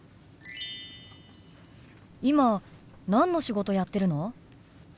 今何の仕事やってるの？